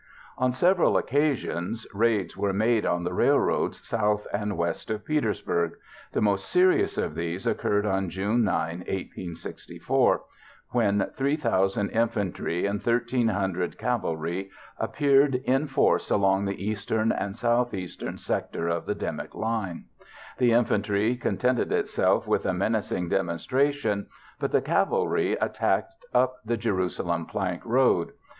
On several occasions raids were made on the railroads south and west of Petersburg. The most serious of these occurred on June 9, 1864, when 3,000 infantry and 1,300 cavalry appeared in force along the eastern and southeastern sector of the Dimmock Line. The infantry contented itself with a menacing demonstration, but the cavalry attacked up the Jerusalem Plank Road.